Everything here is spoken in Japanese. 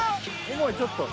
重いちょっと。